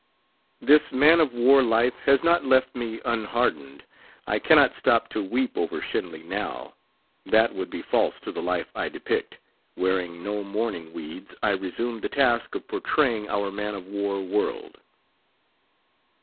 This man of war life has not left me unhardened. I cannot stop to weep over Shenly now; that would be false to the life I depict; wearing no mourning weeds, I resume the task of portraying our man of war world.